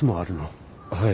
はい。